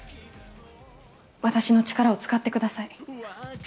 私の力を使ってください。